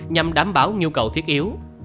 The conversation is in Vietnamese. nhằm đảm bảo nhu cầu thiết yếu